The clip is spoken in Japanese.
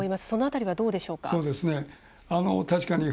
その辺りは、どうでしょうか？